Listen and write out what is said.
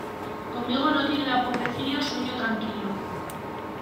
Conmigo no tiene la pobrecilla sueño tranquilo.